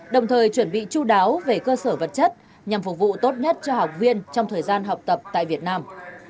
đồng thời chuẩn bị chú đáo về cơ sở vật chất nhằm phục vụ tốt nhất cho học viên trong thời gian học tập tại việt nam